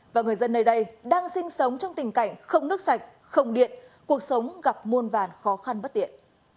và người dân nơi đây đang sinh sống trong tình cảnh không nước sạch không điện cuộc sống gặp muôn vàn khó khăn bất tiện